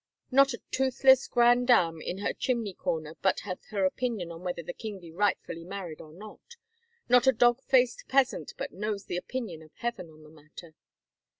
Not a toothless grandam in her chimney comer but hath her opinion on whether the king be rightfully married or not, not a dog faced peasant but knows the opinion of Heaven in the matter."